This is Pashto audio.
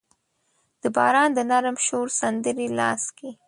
د باران د نرم شور سندرې لاس کې